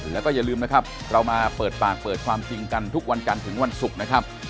แล้วก็อย่าลืมนะครับเรามาเปิดปากเปิดความจริงกันทุกวันจันทร์ถึงวันศุกร์นะครับ